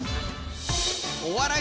お笑い